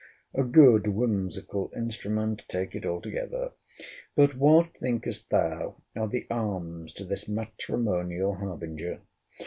A good whimsical instrument, take it altogether! But what, thinkest thou, are the arms to this matrimonial harbinger?